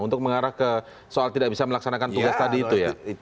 untuk mengarah ke soal tidak bisa melaksanakan tugas tadi itu ya